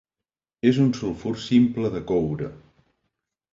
És un sulfur simple de coure.